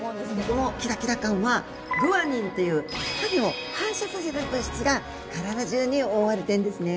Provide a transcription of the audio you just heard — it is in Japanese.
このキラキラ感はグアニンという光を反射させる物質が体中に覆われてるんですね。